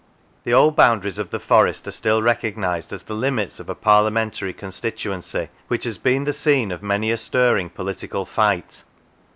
The old boundaries of the forest are still recognised as the limits of a parliamentary constituency, which has been the scene of many a stirring political fight.